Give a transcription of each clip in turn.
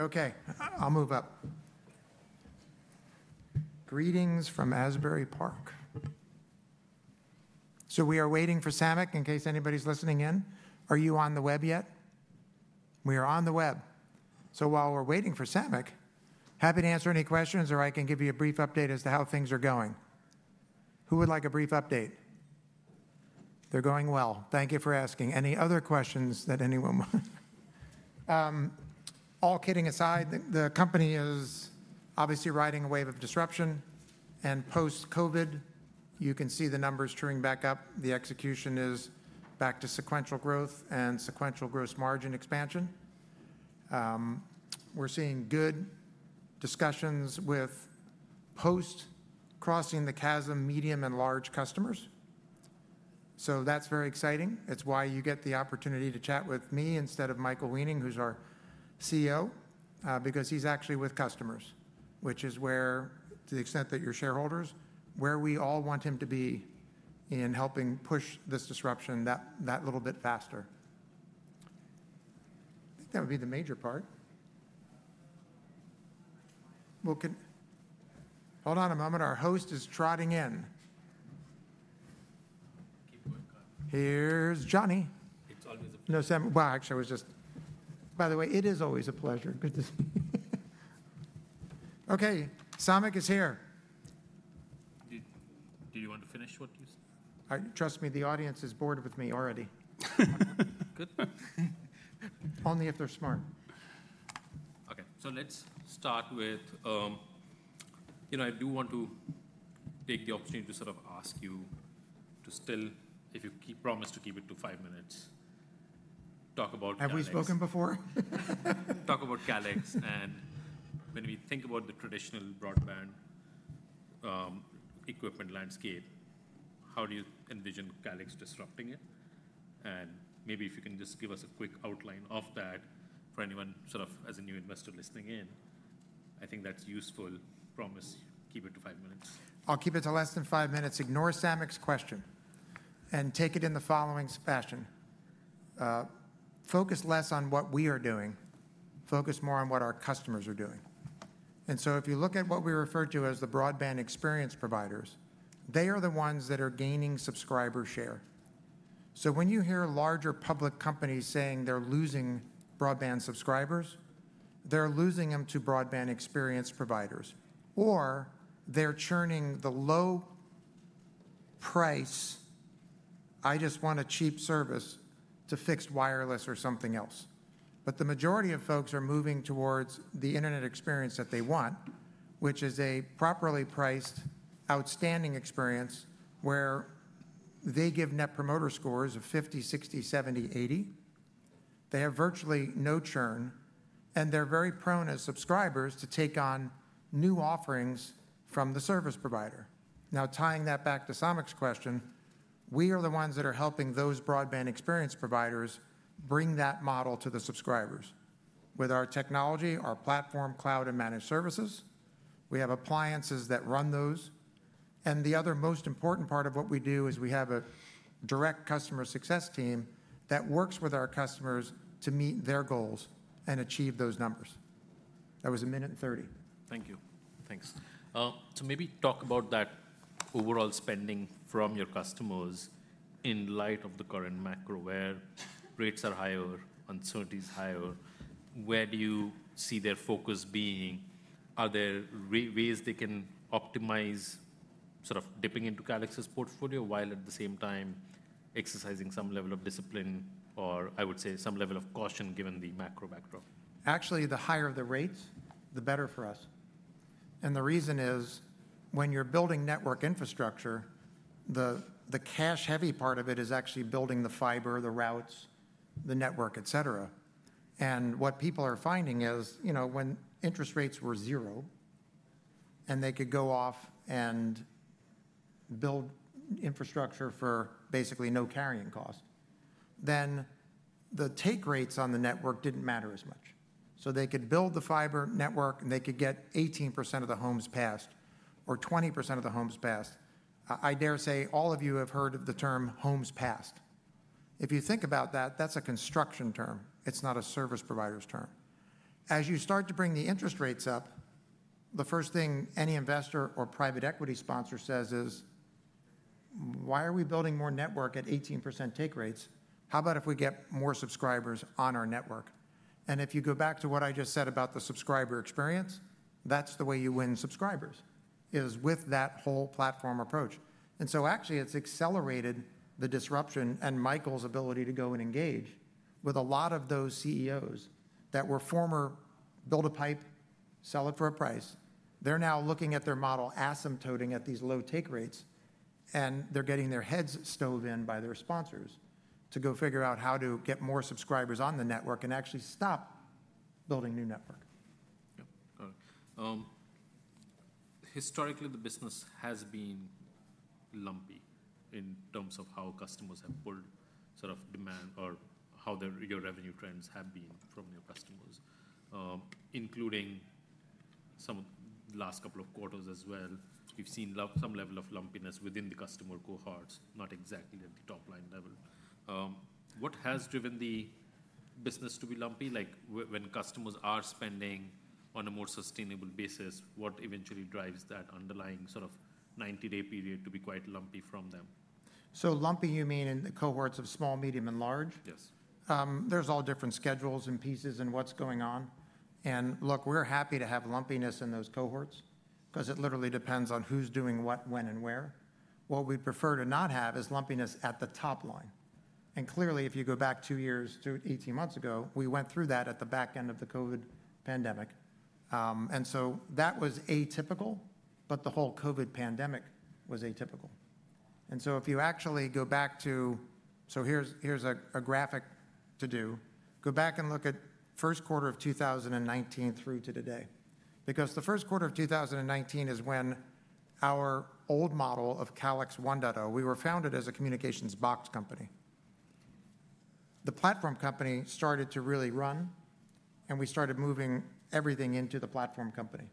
Okay, I'll move up. Greetings from Asbury Park. We are waiting for Samik in case anybody's listening in. Are you on the web yet? We are on the web. While we're waiting for Samik, happy to answer any questions or I can give you a brief update as to how things are going. Who would like a brief update? They're going well. Thank you for asking. Any other questions that anyone wants? All kidding aside, the company is obviously riding a wave of disruption, and post-COVID, you can see the numbers chewing back up. The execution is back to sequential growth and sequential gross margin expansion. We're seeing good discussions with post-crossing the chasm medium and large customers. That is very exciting. It's why you get the opportunity to chat with me instead of Michael Weening, who's our CEO, because he's actually with customers, which is where, to the extent that you're shareholders, where we all want him to be in helping push this disruption that little bit faster. I think that would be the major part. Hold on a moment. Our host is trotting in. Keep going, Claire. Here's Johnny. It's always a pleasure. No, Sam, actually, I was just, by the way, it is always a pleasure. Good to see you. Okay, Samik is here. Did you want to finish what you said? Trust me, the audience is bored with me already. Good. Only if they're smart. Okay, so let's start with, you know, I do want to take the opportunity to sort of ask you to still, if you promise to keep it to five minutes, talk about. Have we spoken before? Talk about Calix. When we think about the traditional broadband equipment landscape, how do you envision Calix disrupting it? Maybe if you can just give us a quick outline of that for anyone sort of as a new investor listening in, I think that's useful. Promise, keep it to five minutes. I'll keep it to less than five minutes. Ignore Samik's question and take it in the following fashion. Focus less on what we are doing, focus more on what our customers are doing. If you look at what we refer to as the broadband experience providers, they are the ones that are gaining subscriber share. When you hear larger public companies saying they're losing broadband subscribers, they're losing them to broadband experience providers, or they're churning the low price, I just want a cheap service to fixed wireless or something else. The majority of folks are moving towards the internet experience that they want, which is a properly priced, outstanding experience where they give net promoter scores of 50, 60, 70, 80. They have virtually no churn, and they're very prone as subscribers to take on new offerings from the service provider. Now, tying that back to Samik's question, we are the ones that are helping those broadband experience providers bring that model to the subscribers with our technology, our platform, cloud, and managed services. We have appliances that run those. The other most important part of what we do is we have a direct customer success team that works with our customers to meet their goals and achieve those numbers. That was a minute and 30. Thank you. Thanks. Maybe talk about that overall spending from your customers in light of the current macro where rates are higher, uncertainty is higher. Where do you see their focus being? Are there ways they can optimize sort of dipping into Calix's portfolio while at the same time exercising some level of discipline or, I would say, some level of caution given the macro backdrop? Actually, the higher the rates, the better for us. The reason is when you're building network infrastructure, the cash-heavy part of it is actually building the fiber, the routes, the network, et cetera. What people are finding is, you know, when interest rates were zero and they could go off and build infrastructure for basically no carrying cost, then the take rates on the network didn't matter as much. They could build the fiber network and they could get 18% of the homes passed or 20% of the homes passed. I dare say all of you have heard of the term homes passed. If you think about that, that's a construction term. It's not a service provider's term. As you start to bring the interest rates up, the first thing any investor or private equity sponsor says is, why are we building more network at 18% take rates? How about if we get more subscribers on our network? If you go back to what I just said about the subscriber experience, that's the way you win subscribers is with that whole platform approach. It has actually accelerated the disruption and Michael's ability to go and engage with a lot of those CEOs that were former build a pipe, sell it for a price. They're now looking at their model asymptoting at these low take rates and they're getting their heads stove in by their sponsors to go figure out how to get more subscribers on the network and actually stop building new network. Historically, the business has been lumpy in terms of how customers have pulled sort of demand or how your revenue trends have been from your customers, including some of the last couple of quarters as well. We have seen some level of lumpiness within the customer cohorts, not exactly at the top line level. What has driven the business to be lumpy? Like when customers are spending on a more sustainable basis, what eventually drives that underlying sort of 90-day period to be quite lumpy from them? So lumpy, you mean in the cohorts of small, medium, and large? Yes. There's all different schedules and pieces and what's going on. Look, we're happy to have lumpiness in those cohorts because it literally depends on who's doing what, when, and where. What we'd prefer to not have is lumpiness at the top line. Clearly, if you go back two years to 18 months ago, we went through that at the back end of the COVID pandemic. That was atypical, but the whole COVID pandemic was atypical. If you actually go back to, here's a graphic to do, go back and look at first quarter of 2019 through to today, because the first quarter of 2019 is when our old model of Calix 1.0, we were founded as a communications box company. The platform company started to really run and we started moving everything into the platform company.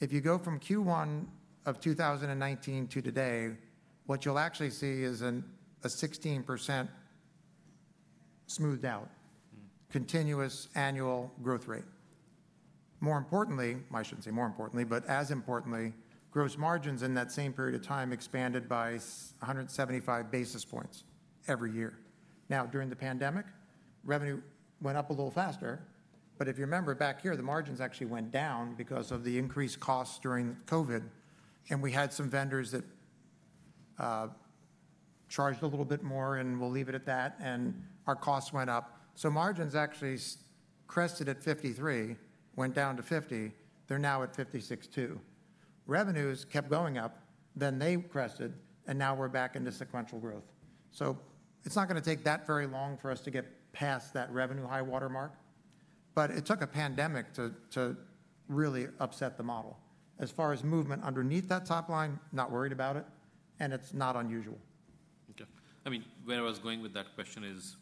If you go from Q1 of 2019 to today, what you'll actually see is a 16% smoothed out continuous annual growth rate. More importantly, I shouldn't say more importantly, but as importantly, gross margins in that same period of time expanded by 175 basis points every year. Now, during the pandemic, revenue went up a little faster, but if you remember back here, the margins actually went down because of the increased costs during COVID. We had some vendors that charged a little bit more and we'll leave it at that and our costs went up. Margins actually crested at 53, went down to 50. They're now at [562]. Revenues kept going up, then they crested and now we're back into sequential growth. It's not going to take that very long for us to get past that revenue high watermark, but it took a pandemic to really upset the model. As far as movement underneath that top line, not worried about it and it's not unusual. Okay. I mean, where I was going with that question is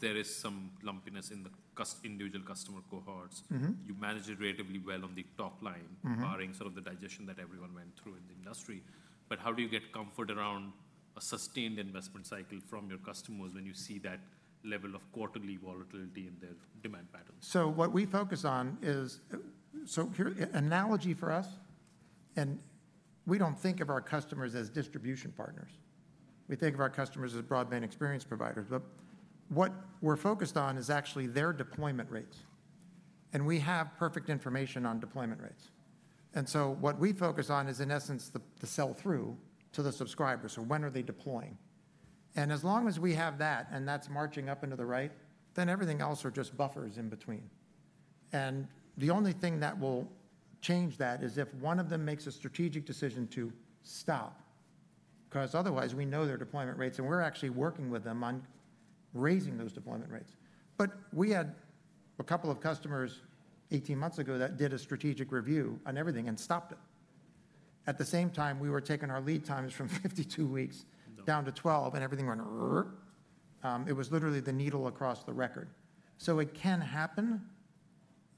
there is some lumpiness in the individual customer cohorts. You manage it relatively well on the top line, barring sort of the digestion that everyone went through in the industry. How do you get comfort around a sustained investment cycle from your customers when you see that level of quarterly volatility in their demand patterns? What we focus on is, here's an analogy for us, and we do not think of our customers as distribution partners. We think of our customers as broadband experience providers, but what we are focused on is actually their deployment rates. We have perfect information on deployment rates. What we focus on is in essence the sell-through to the subscribers. When are they deploying? As long as we have that and that is marching up and to the right, then everything else is just buffers in between. The only thing that will change that is if one of them makes a strategic decision to stop, because otherwise we know their deployment rates and we are actually working with them on raising those deployment rates. We had a couple of customers 18 months ago that did a strategic review on everything and stopped it. At the same time, we were taking our lead times from 52 weeks down to 12 and everything went rrrrrrrrrrrr. It was literally the needle across the record. It can happen,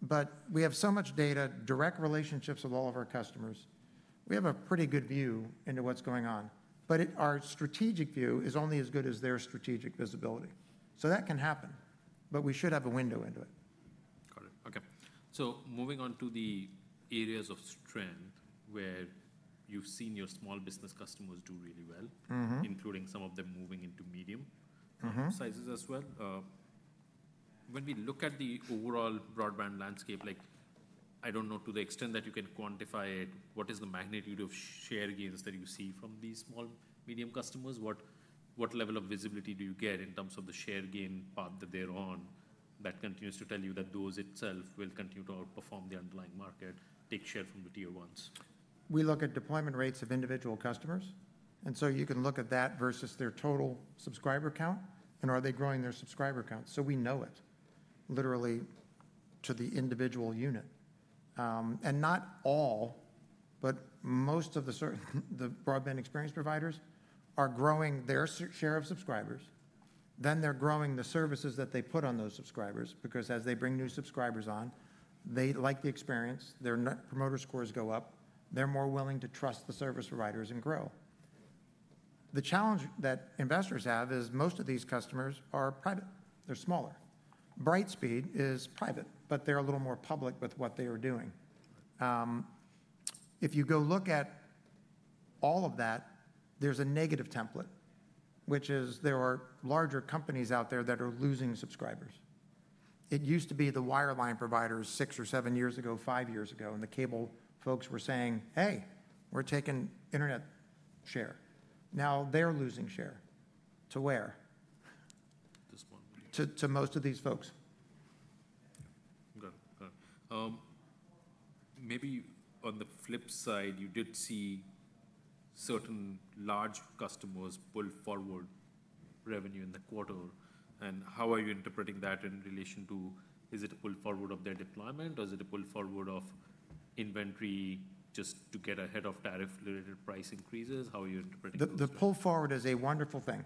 but we have so much data, direct relationships with all of our customers. We have a pretty good view into what is going on, but our strategic view is only as good as their strategic visibility. It can happen, but we should have a window into it. Got it. Okay. Moving on to the areas of strength where you've seen your small business customers do really well, including some of them moving into medium sizes as well. When we look at the overall broadband landscape, like I don't know to the extent that you can quantify it, what is the magnitude of share gains that you see from these small, medium customers? What level of visibility do you get in terms of the share gain path that they're on that continues to tell you that those itself will continue to outperform the underlying market, take share from the tier ones? We look at deployment rates of individual customers. You can look at that versus their total subscriber count and are they growing their subscriber count? We know it literally to the individual unit. Not all, but most of the broadband experience providers are growing their share of subscribers, then they are growing the services that they put on those subscribers because as they bring new subscribers on, they like the experience, their promoter scores go up, they are more willing to trust the service providers and grow. The challenge that investors have is most of these customers are private. They are smaller. Brightspeed is private, but they are a little more public with what they are doing. If you go look at all of that, there is a negative template, which is there are larger companies out there that are losing subscribers. It used to be the wireline providers six or seven years ago, five years ago, and the cable folks were saying, "Hey, we're taking internet share." Now they're losing share. To where? To most of these folks. Maybe on the flip side, you did see certain large customers pull forward revenue in the quarter. How are you interpreting that in relation to, is it a pull forward of their deployment or is it a pull forward of inventory just to get ahead of tariff-related price increases? How are you interpreting that? The pull forward is a wonderful thing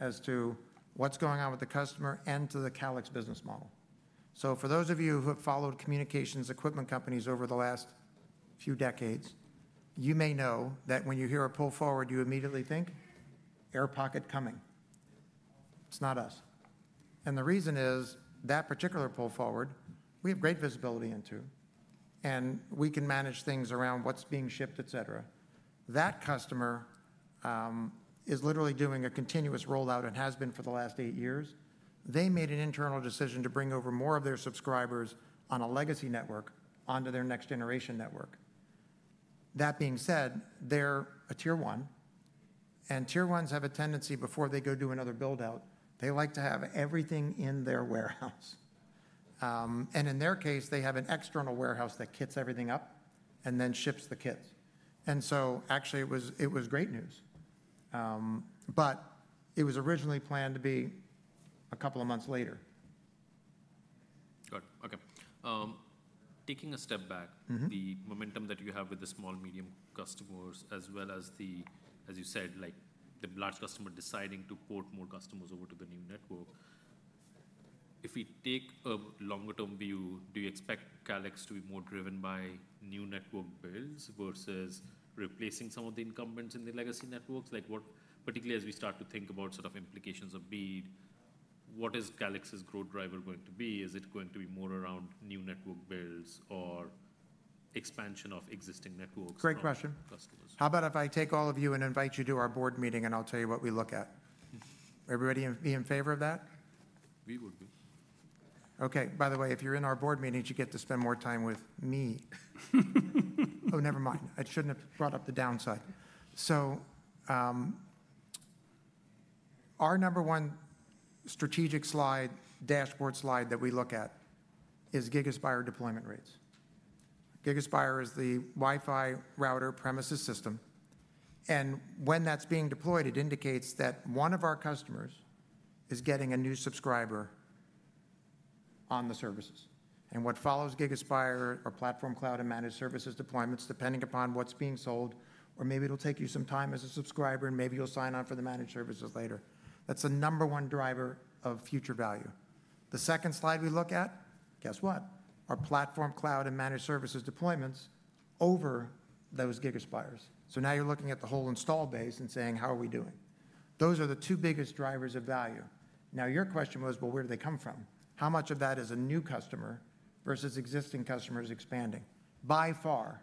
as to what's going on with the customer and to the Calix business model. For those of you who have followed communications equipment companies over the last few decades, you may know that when you hear a pull forward, you immediately think, "Air pocket coming. It's not us." The reason is that particular pull forward, we have great visibility into and we can manage things around what's being shipped, et cetera. That customer is literally doing a continuous rollout and has been for the last eight years. They made an internal decision to bring over more of their subscribers on a legacy network onto their next generation network. That being said, they're a tier one and tier one's have a tendency before they go do another buildout, they like to have everything in their warehouse. In their case, they have an external warehouse that kits everything up and then ships the kits. It was great news, but it was originally planned to be a couple of months later. Got it. Okay. Taking a step back, the momentum that you have with the small, medium customers as well as the, as you said, like the large customer deciding to port more customers over to the new network, if we take a longer-term view, do you expect Calix to be more driven by new network builds versus replacing some of the incumbents in the legacy networks? Like what, particularly as we start to think about sort of implications of BEAD, what is Calix's growth driver going to be? Is it going to be more around new network builds or expansion of existing networks? Great question. How about if I take all of you and invite you to our board meeting and I'll tell you what we look at? Everybody be in favor of that? We would be. Okay. By the way, if you're in our board meetings, you get to spend more time with me. Oh, never mind. I shouldn't have brought up the downside. Our number one strategic slide, dashboard slide that we look at is GigaSpire deployment rates. GigaSpire is the Wi-Fi router premises system. When that's being deployed, it indicates that one of our customers is getting a new subscriber on the services. What follows Gigaspire are platform cloud and managed services deployments depending upon what's being sold, or maybe it'll take you some time as a subscriber and maybe you'll sign on for the managed services later. That's the number one driver of future value. The second slide we look at, guess what? Our platform cloud and managed services deployments over those GigaSpires. Now you're looking at the whole install base and saying, "How are we doing?" Those are the two biggest drivers of value. Your question was, "Where do they come from?" How much of that is a new customer versus existing customers expanding? By far,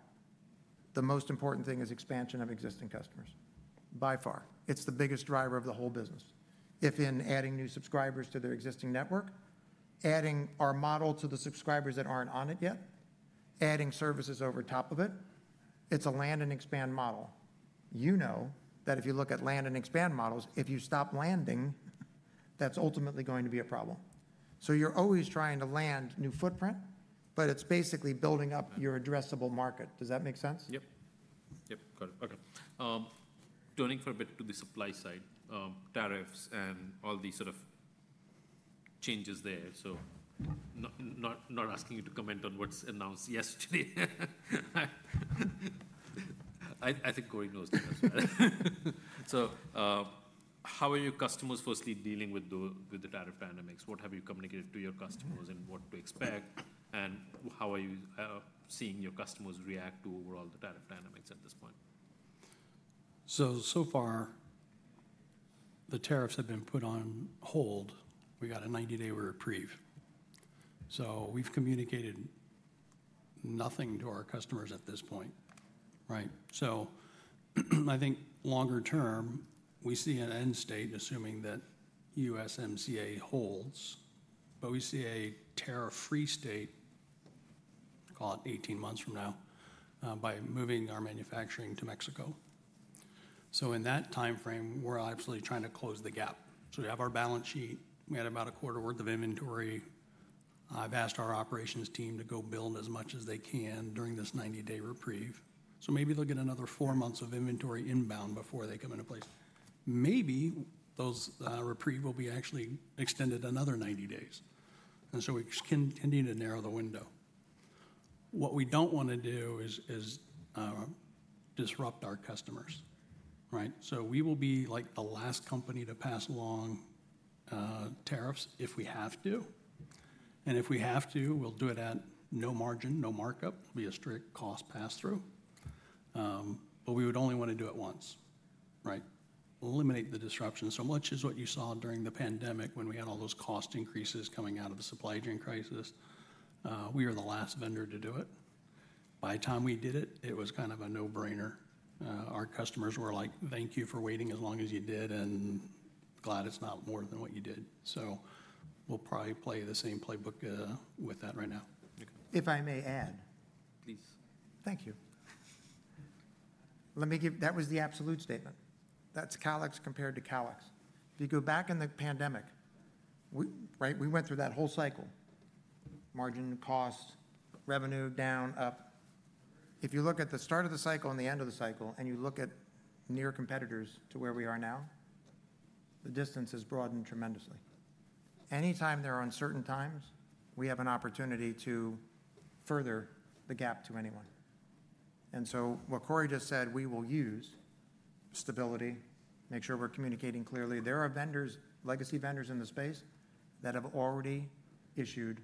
the most important thing is expansion of existing customers. By far. It's the biggest driver of the whole business. If in adding new subscribers to their existing network, adding our model to the subscribers that aren't on it yet, adding services over top of it, it's a land and expand model. You know that if you look at land and expand models, if you stop landing, that's ultimately going to be a problem. You're always trying to land new footprint, but it's basically building up your addressable market. Does that make sense? Yep. Yep. Got it. Okay. Turning for a bit to the supply side, tariffs and all these sort of changes there. Not asking you to comment on what's announced yesterday. I think Cory knows that as well. How are your customers firstly dealing with the tariff dynamics? What have you communicated to your customers and what to expect? How are you seeing your customers react to overall the tariff dynamics at this point? So far, the tariffs have been put on hold. We got a 90-day reprieve. We have communicated nothing to our customers at this point, right? I think longer term, we see an end state assuming that USMCA holds, but we see a tariff-free state, call it 18 months from now, by moving our manufacturing to Mexico. In that timeframe, we are absolutely trying to close the gap. We have our balance sheet. We had about a quarter worth of inventory. I have asked our operations team to go build as much as they can during this 90-day reprieve. Maybe they will get another four months of inventory inbound before they come into place. Maybe this reprieve will be actually extended another 90 days. We continue to narrow the window. What we do not want to do is disrupt our customers, right? We will be like the last company to pass along tariffs if we have to. If we have to, we'll do it at no margin, no markup. It will be a strict cost pass-through. We would only want to do it once, right? Eliminate the disruption. Much as what you saw during the pandemic when we had all those cost increases coming out of the supply chain crisis, we are the last vendor to do it. By the time we did it, it was kind of a no-brainer. Our customers were like, "Thank you for waiting as long as you did and glad it's not more than what you did." We will probably play the same playbook with that right now. If I may add. Please. Thank you. That was the absolute statement. That's Calix compared to [Calix]. If you go back in the pandemic, right, we went through that whole cycle. Margin, cost, revenue down, up. If you look at the start of the cycle and the end of the cycle and you look at near competitors to where we are now, the distance has broadened tremendously. Anytime there are uncertain times, we have an opportunity to further the gap to anyone. What Cory just said, we will use stability, make sure we're communicating clearly. There are vendors, legacy vendors in the space that have already issued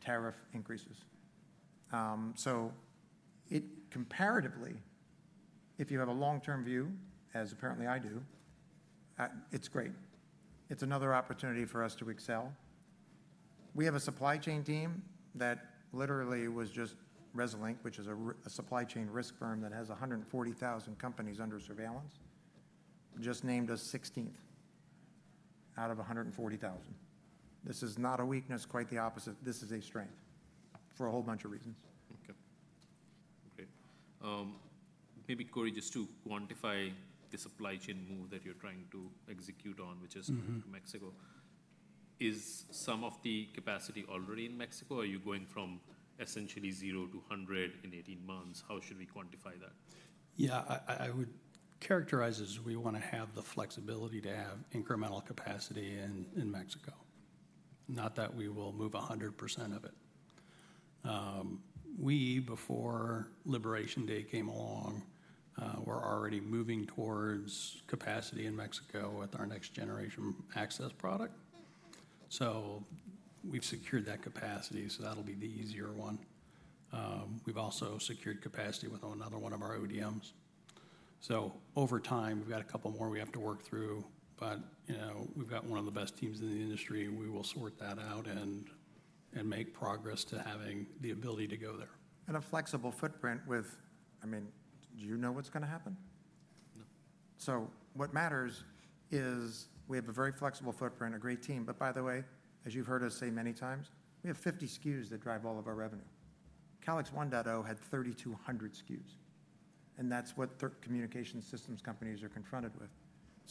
tariff increases. Comparatively, if you have a long-term view, as apparently I do, it's great. It's another opportunity for us to excel. We have a supply chain team that literally was just Resilinc, which is a supply chain risk firm that has 140,000 companies under surveillance, just named us 16th out of 140,000. This is not a weakness, quite the opposite. This is a strength for a whole bunch of reasons. Okay. Great. Maybe Cory, just to quantify the supply chain move that you're trying to execute on, which is Mexico, is some of the capacity already in Mexico? Are you going from essentially zero to 100 in 18 months? How should we quantify that? Yeah, I would characterize it as we want to have the flexibility to have incremental capacity in Mexico. Not that we will move 100% of it. We, before Liberation Day came along, were already moving towards capacity in Mexico with our next generation access product. So we've secured that capacity, so that'll be the easier one. We've also secured capacity with another one of our ODMs. Over time, we've got a couple more we have to work through, but we've got one of the best teams in the industry. We will sort that out and make progress to having the ability to go there. A flexible footprint with, I mean, do you know what's going to happen? No. What matters is we have a very flexible footprint, a great team. By the way, as you've heard us say many times, we have 50 SKUs that drive all of our revenue. Calix 1.0 had 3,200 SKUs. That is what communication systems companies are confronted with.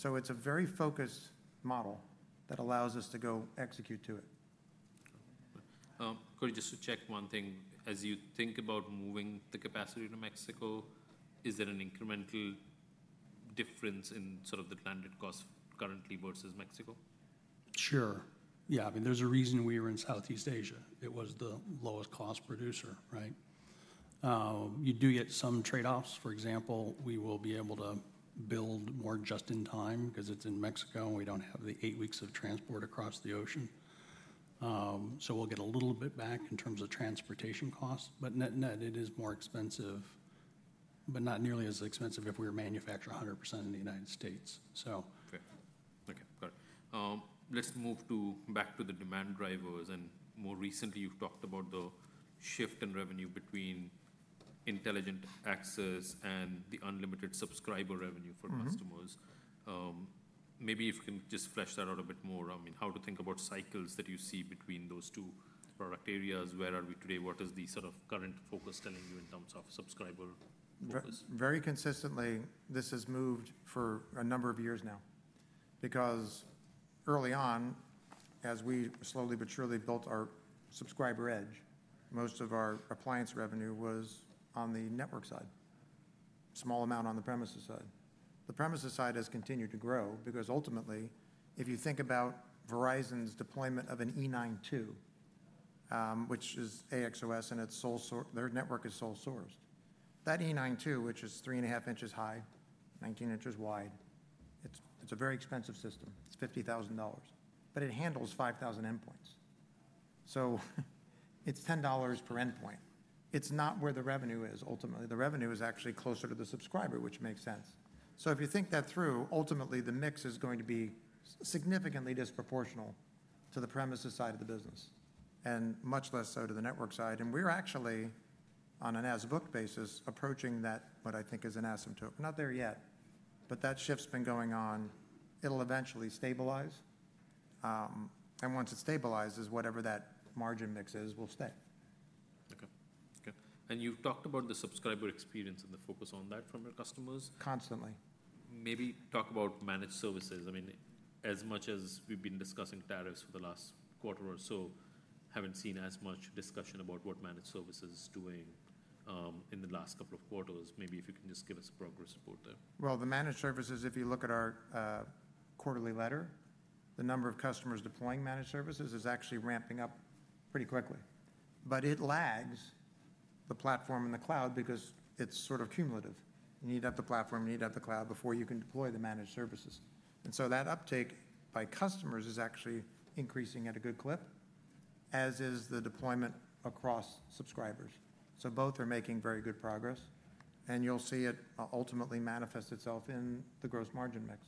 It is a very focused model that allows us to go execute to it. Cory, just to check one thing. As you think about moving the capacity to Mexico, is there an incremental difference in sort of the landed cost currently versus Mexico? Sure. Yeah. I mean, there's a reason we were in Southeast Asia. It was the lowest cost producer, right? You do get some trade-offs. For example, we will be able to build more just in time because it's in Mexico and we don't have the eight weeks of transport across the ocean. We will get a little bit back in terms of transportation costs, but net-net, it is more expensive, but not nearly as expensive if we were manufacturing 100% in the United States. Okay. Okay. Got it. Let's move back to the demand drivers. And more recently, you've talked about the shift in revenue between intelligent access and the unlimited subscriber revenue for customers. Maybe if you can just flesh that out a bit more. I mean, how to think about cycles that you see between those two product areas? Where are we today? What is the sort of current focus telling you in terms of subscriber focus? Very consistently, this has moved for a number of years now. Because early on, as we slowly but surely built our subscriber edge, most of our appliance revenue was on the network side. Small amount on the premises side. The premises side has continued to grow because ultimately, if you think about Verizon's deployment of an E9-2, which is AXOS and their network is sole sourced, that E9-2, which is 3.5 in high, 19 in wide, it's a very expensive system. It's $50,000, but it handles 5,000 endpoints. So it's $10 per endpoint. It's not where the revenue is ultimately. The revenue is actually closer to the subscriber, which makes sense. If you think that through, ultimately, the mix is going to be significantly disproportional to the premises side of the business and much less so to the network side. We're actually, on an as-book basis, approaching that, what I think is an asymptote. Not there yet, but that shift's been going on. It'll eventually stabilize. Once it stabilizes, whatever that margin mix is will stay. Okay. Okay. You have talked about the subscriber experience and the focus on that from your customers. Constantly. Maybe talk about managed services. I mean, as much as we've been discussing tariffs for the last quarter or so, haven't seen as much discussion about what managed services is doing in the last couple of quarters. Maybe if you can just give us progress report there. The managed services, if you look at our quarterly letter, the number of customers deploying managed services is actually ramping up pretty quickly. It lags the platform and the cloud because it's sort of cumulative. You need to have the platform, you need to have the cloud before you can deploy the managed services. That uptake by customers is actually increasing at a good clip, as is the deployment across subscribers. Both are making very good progress. You will see it ultimately manifest itself in the gross margin mix.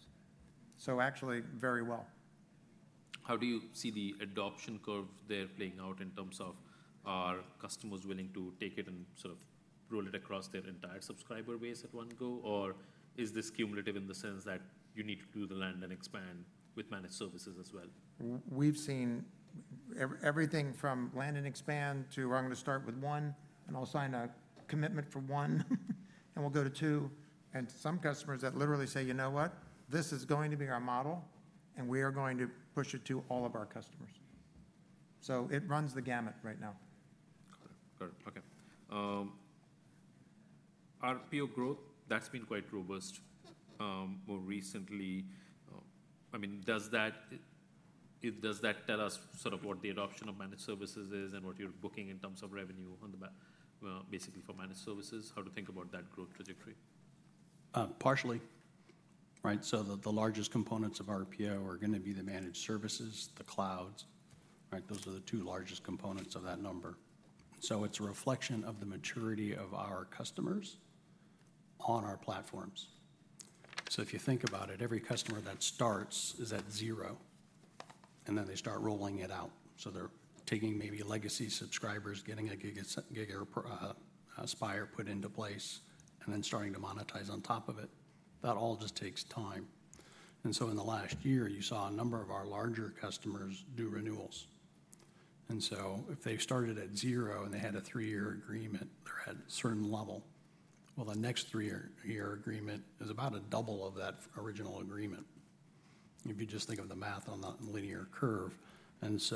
Actually very well. How do you see the adoption curve there playing out in terms of are customers willing to take it and sort of roll it across their entire subscriber base at one go? Or is this cumulative in the sense that you need to do the land and expand with managed services as well? We've seen everything from land and expand to, "I'm going to start with one and I'll sign a commitment for one, and we'll go to two." And some customers that literally say, "You know what? This is going to be our model and we are going to push it to all of our customers." It runs the gamut right now. Got it. Got it. Okay. RPO growth, that's been quite robust more recently. I mean, does that tell us sort of what the adoption of managed services is and what you're booking in terms of revenue on the back, basically for managed services? How to think about that growth trajectory? Partially, right? The largest components of RPO are going to be the managed services, the clouds, right? Those are the two largest components of that number. It is a reflection of the maturity of our customers on our platforms. If you think about it, every customer that starts is at zero. They start rolling it out. They are taking maybe legacy subscribers, getting a GigaSpire put into place, and then starting to monetize on top of it. That all just takes time. In the last year, you saw a number of our larger customers do renewals. If they started at zero and they had a three-year agreement, they are at a certain level. The next three-year agreement is about a double of that original agreement if you just think of the math on the linear curve. That is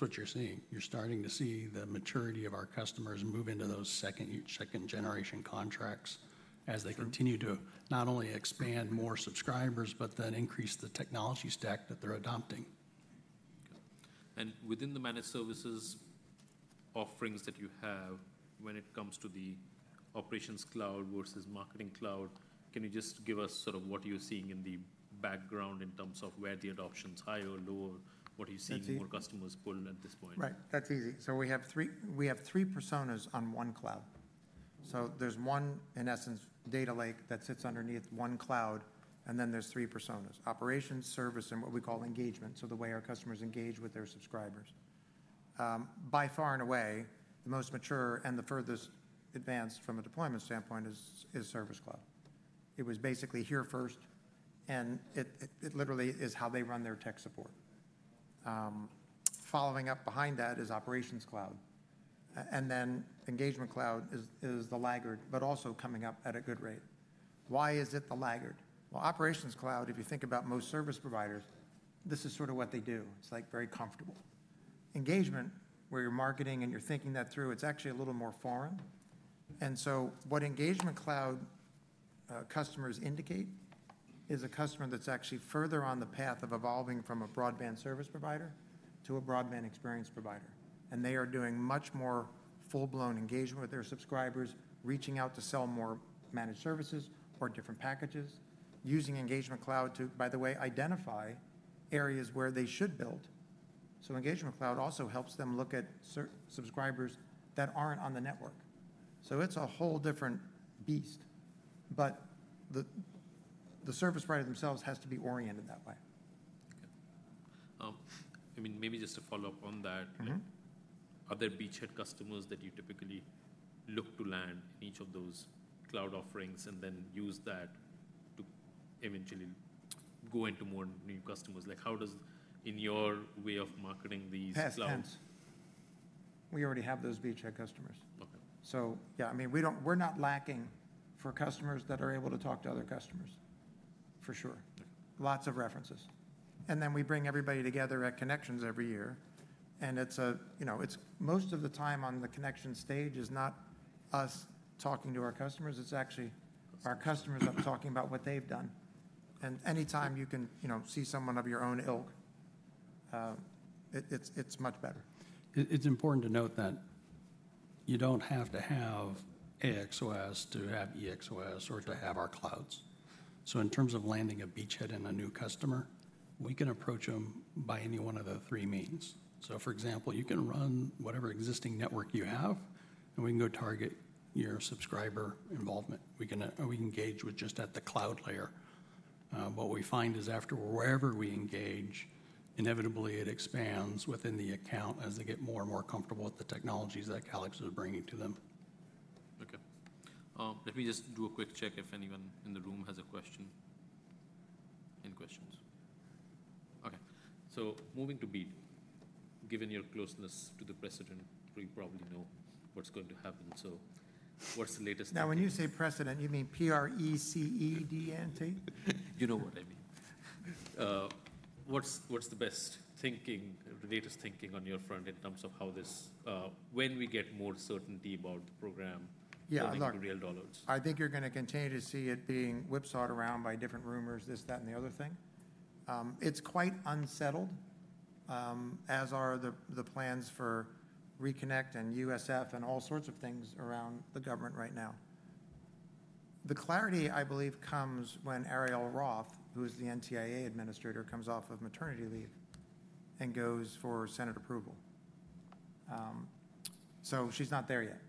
what you are seeing. You're starting to see the maturity of our customers move into those second-generation contracts as they continue to not only expand more subscribers, but then increase the technology stack that they're adopting. Within the managed services offerings that you have, when it comes to the Operations Cloud versus Marketing Cloud, can you just give us sort of what you're seeing in the background in terms of where the adoption's higher, lower, what are you seeing more customers pull at this point? Right. That's easy. We have three personas on one cloud. There is one, in essence, data lake that sits underneath one cloud, and then there are three personas: Operations, Service, and what we call Engagement. The way our customers engage with their subscribers. By far and away, the most mature and the furthest advanced from a deployment standpoint is Service Cloud. It was basically here first, and it literally is how they run their tech support. Following up behind that is Operations Cloud. Engagement Cloud is the laggard, but also coming up at a good rate. Why is it the laggard? Operations Cloud, if you think about most service providers, this is sort of what they do. It is very comfortable. Engagement, where you are marketing and you are thinking that through, is actually a little more foreign. What Engagement Cloud customers indicate is a customer that's actually further on the path of evolving from a broadband service provider to a broadband experience provider. They are doing much more full-blown engagement with their subscribers, reaching out to sell more managed services or different packages, using Engagement Cloud to, by the way, identify areas where they should build. Engagement Cloud also helps them look at subscribers that aren't on the network. It's a whole different beast. The service provider themselves has to be oriented that way. Okay. I mean, maybe just to follow up on that, are there beachhead customers that you typically look to land in each of those cloud offerings and then use that to eventually go into more new customers? Like how does, in your way of marketing these clouds? We already have those beachhead customers. Yeah, I mean, we're not lacking for customers that are able to talk to other customers, for sure. Lots of references. We bring everybody together at ConneXions every year. Most of the time on the ConneXions stage is not us talking to our customers. It's actually our customers that are talking about what they've done. Anytime you can see someone of your own ilk, it's much better. It's important to note that you don't have to have AXOS to have EXOS or to have our clouds. In terms of landing a beachhead and a new customer, we can approach them by any one of the three means. For example, you can run whatever existing network you have, and we can go target your subscriber involvement. We engage with just at the cloud layer. What we find is after wherever we engage, inevitably it expands within the account as they get more and more comfortable with the technologies that Calix is bringing to them. Okay. Let me just do a quick check if anyone in the room has a question. Any questions? Okay. Moving to BEAD. Given your closeness to the precedent, we probably know what's going to happen. What's the latest? Now, when you say precedent, you mean P-R-E-C-E-D-E-N-T? You know what I mean. What's the best thinking, the latest thinking on your front in terms of how this, when we get more certainty about the program? Yeah, a lot. Into real dollars? I think you're going to continue to see it being whipsawed around by different rumors, this, that, and the other thing. It's quite unsettled, as are the plans for ReConnect and USF and all sorts of things around the government right now. The clarity, I believe, comes when Arielle Roth, who is the NTIA administrator, comes off of maternity leave and goes for Senate approval. She's not there yet.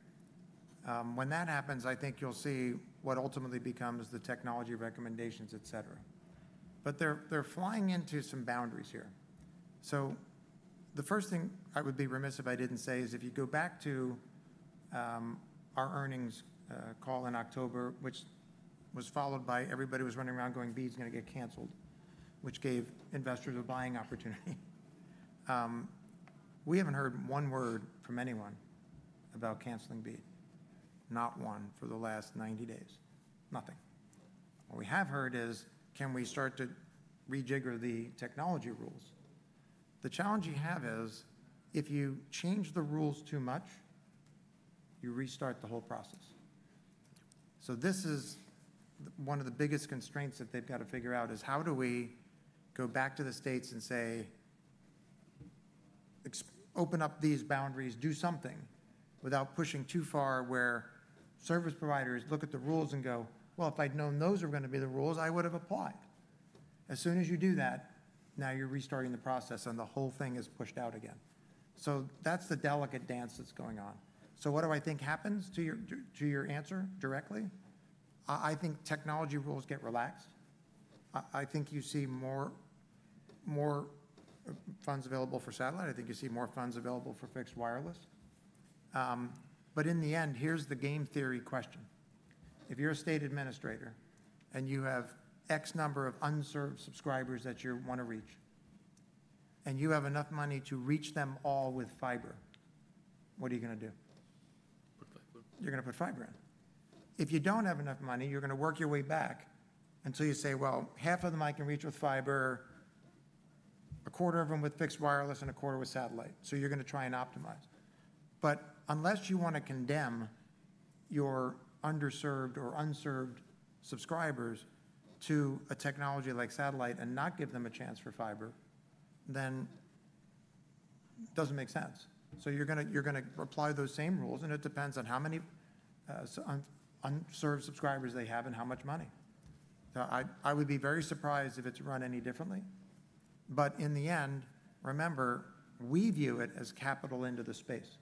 When that happens, I think you'll see what ultimately becomes the technology recommendations, etc. They're flying into some boundaries here. The first thing I would be remiss if I didn't say is if you go back to our earnings call in October, which was followed by everybody running around going, "BEAD's going to get canceled," which gave investors a buying opportunity. We haven't heard one word from anyone about canceling BEAD. Not one for the last 90 days. Nothing. What we have heard is, "Can we start to rejigger the technology rules?" The challenge you have is if you change the rules too much, you restart the whole process. This is one of the biggest constraints that they have got to figure out is how do we go back to the states and say, "Open up these boundaries, do something without pushing too far where service providers look at the rules and go, 'If I had known those were going to be the rules, I would have applied.'" As soon as you do that, now you are restarting the process and the whole thing is pushed out again. That is the delicate dance that is going on. What do I think happens to your answer directly? I think technology rules get relaxed. I think you see more funds available for satellite. I think you see more funds available for fixed wireless. In the end, here's the game theory question. If you're a state administrator and you have X number of unserved subscribers that you want to reach and you have enough money to reach them all with fiber, what are you going to do? Put fiber. You're going to put fiber in. If you don't have enough money, you're going to work your way back until you say, "Half of them I can reach with fiber, a quarter of them with fixed wireless, and a quarter with satellite." You're going to try and optimize. Unless you want to condemn your underserved or unserved subscribers to a technology like satellite and not give them a chance for fiber, it doesn't make sense. You're going to apply those same rules, and it depends on how many unserved subscribers they have and how much money. I would be very surprised if it's run any differently. In the end, remember, we view it as capital into the space.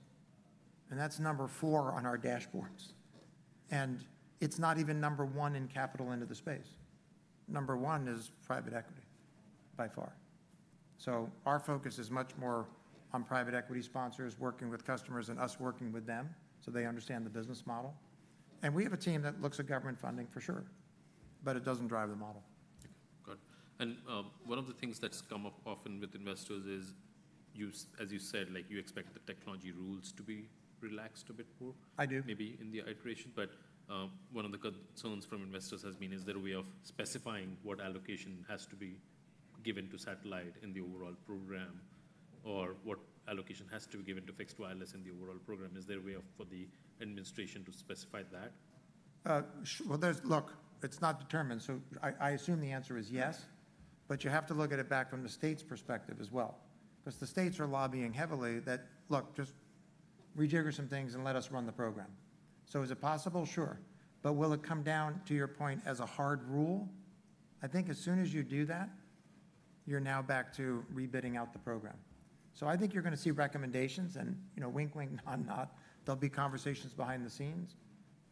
That's number four on our dashboards. It's not even number one in capital into the space. Number one is private equity by far. Our focus is much more on private equity sponsors working with customers and us working with them so they understand the business model. We have a team that looks at government funding for sure, but it does not drive the model. Got it. One of the things that's come up often with investors is, as you said, you expect the technology rules to be relaxed a bit more. I do. Maybe in the iteration. One of the concerns from investors has been, is there a way of specifying what allocation has to be given to satellite in the overall program or what allocation has to be given to fixed wireless in the overall program? Is there a way for the administration to specify that? Look, it's not determined. I assume the answer is yes, but you have to look at it back from the state's perspective as well. The states are lobbying heavily that, "Look, just rejigger some things and let us run the program." Is it possible? Sure. Will it come down, to your point, as a hard rule? I think as soon as you do that, you're now back to rebidding out the program. I think you're going to see recommendations and wink, wink, nod, nod. There'll be conversations behind the scenes.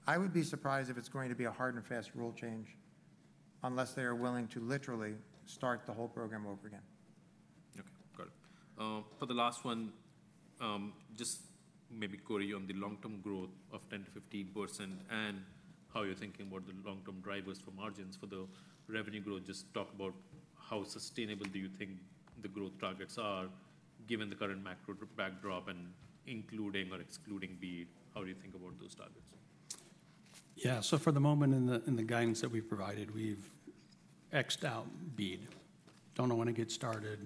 I would be surprised if it's going to be a hard and fast rule change unless they are willing to literally start the whole program over again. Okay. Got it. For the last one, just maybe Cory, on the long-term growth of 10%-15% and how you're thinking about the long-term drivers for margins for the revenue growth, just talk about how sustainable do you think the growth targets are given the current macro backdrop and including or excluding BEAD? How do you think about those targets? Yeah. For the moment in the guidance that we've provided, we've X'd out BEAD. Don't know when it gets started.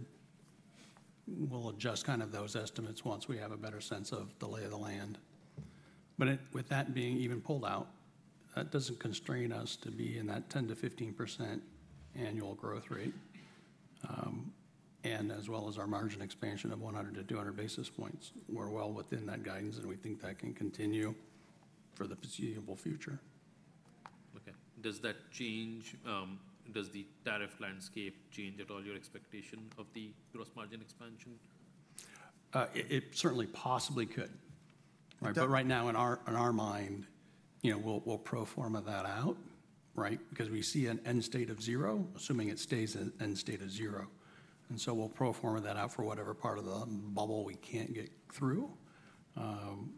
We'll adjust kind of those estimates once we have a better sense of the lay of the land. With that being even pulled out, that doesn't constrain us to be in that 10%-15% annual growth rate. As well as our margin expansion of 100-200 basis points, we're well within that guidance, and we think that can continue for the foreseeable future. Okay. Does that change? Does the tariff landscape change at all your expectation of the gross margin expansion? It certainly possibly could. Right now, in our mind, we'll pro-forma that out, right? We see an end state of zero, assuming it stays an end state of zero. We'll pro-forma that out for whatever part of the bubble we can't get through.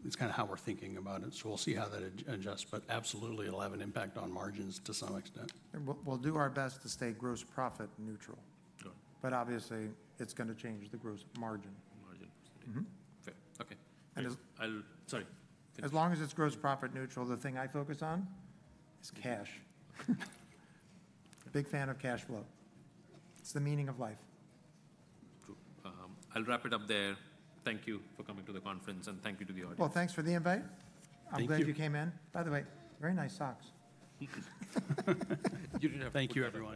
It's kind of how we're thinking about it. We'll see how that adjusts. Absolutely, it'll have an impact on margins to some extent. We'll do our best to stay gross profit neutral. Obviously, it's going to change the gross margin. Margin. Okay. Sorry. As long as it's gross profit neutral, the thing I focus on is cash. Big fan of cash flow. It's the meaning of life. Cool. I'll wrap it up there. Thank you for coming to the conference and thank you to the audience. Thanks for the invite. I'm glad you came in. By the way, very nice socks. You're welcome. Thank you everyone.